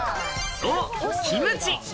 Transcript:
そう、キムチ。